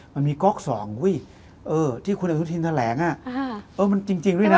มันมีก๊อกสองที่คุณอนุทินแถลงมันจริงด้วยนะ